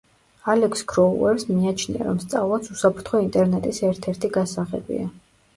ალექს ქროუერს მიაჩნია, რომ სწავლაც უსაფრთხო ინტერნეტის ერთ-ერთი გასაღებია.